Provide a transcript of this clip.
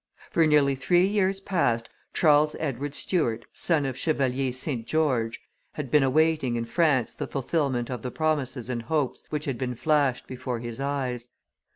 For nearly three years past, Charles Edward Stuart, son of Chevalier St. George, had been awaiting in France the fulfilment of the promises and hopes which had been flashed before his eyes.